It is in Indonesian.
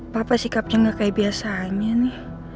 bapak sikapnya gak kayak biasanya nih